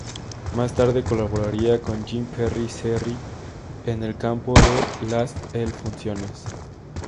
Más tarde colaboraría con Jean-Pierre Serre en el campo de las L-funciones.